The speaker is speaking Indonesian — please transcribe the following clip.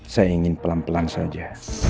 saya ingin pelan pelan saja